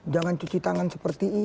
jangan cuci tangan seperti ini